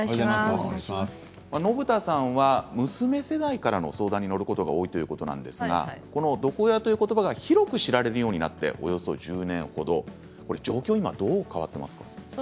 信田さんは娘世代からの相談に乗ることが多いということなんですが毒親という言葉が広く知られるようになって、およそ１０年程状況はどう変わっていますか？